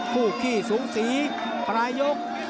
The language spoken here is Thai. คู่ขี้สูงศรีพระยก